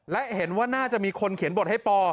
และเห็นว่าน่าจะมีคนเขียนบทให้ปอ